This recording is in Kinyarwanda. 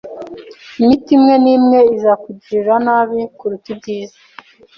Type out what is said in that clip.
Imiti imwe nimwe izakugirira nabi kuruta ibyiza